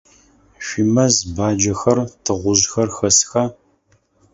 Шъуимэз баджэхэр, тыгъужъхэр хэсха?